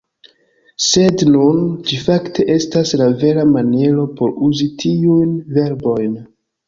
Sed nun, ĝi fakte estas la vera maniero por uzi tiujn verbojn.